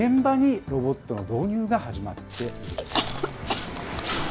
その現場にロボットの導入が始まっているんです。